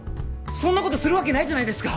そんな事するわけないじゃないですか！